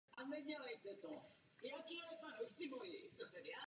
Žil v Praze a byl stálým přispěvatelem Revolver Revue.